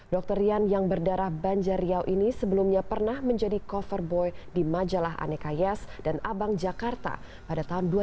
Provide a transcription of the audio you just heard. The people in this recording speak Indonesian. dokter rian yang berdarah banjar riau ini sebelumnya pernah menjadi cover boy di majalah aneka yes dan abang jakarta pada tahun dua ribu